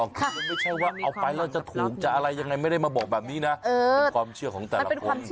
คือมันไม่ใช่ว่าเอาไปแล้วจะถูกจะอะไรยังไงไม่ได้มาบอกแบบนี้นะเป็นความเชื่อของแต่ละคน